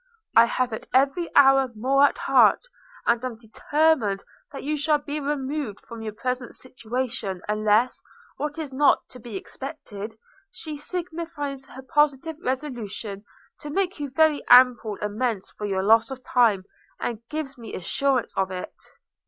I have it every hour more at heart, and am determined that you shall be removed from your present situation, unless, what is not to be expected, she signifies her positive resolution to make you very ample amends for your loss of time, and gives me assurances of it.'